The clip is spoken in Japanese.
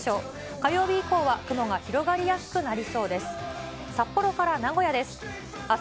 火曜日以降は雲が広がりやすくなりそうです。